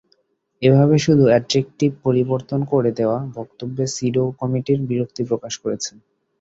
এভাবে শুধু অ্যাডজেকটিভ পরিবর্তন করে দেওয়া বক্তব্যে সিডও কমিটিও বিরক্তি প্রকাশ করেছে।